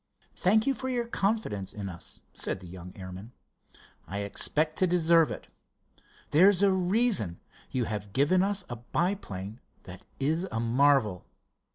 "Thank you for your confidence in us," said the young airman. "I expect to deserve it. There's a reason—you have given us a biplane that is a marvel."